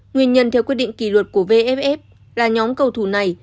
nguyên nhân theo quyết định kỷ luật của vff là nhóm cầu thủ này